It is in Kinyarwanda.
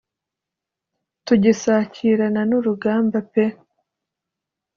Tugisakirana n’urugamba pe